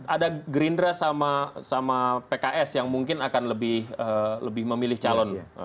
ada gerindra sama pks yang mungkin akan lebih memilih calon